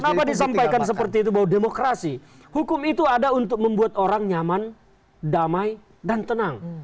kenapa disampaikan seperti itu bahwa demokrasi hukum itu ada untuk membuat orang nyaman damai dan tenang